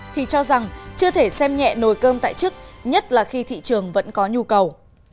thì cho rằng chưa thể xem nhẹ nồi cơm tại chức nhất là khi thị trường vẫn có nhu cầu